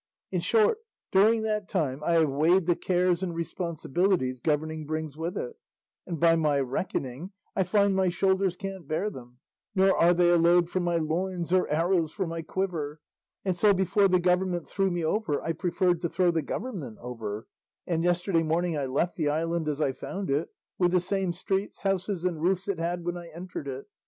In short, during that time I have weighed the cares and responsibilities governing brings with it, and by my reckoning I find my shoulders can't bear them, nor are they a load for my loins or arrows for my quiver; and so, before the government threw me over I preferred to throw the government over; and yesterday morning I left the island as I found it, with the same streets, houses, and roofs it had when I entered it.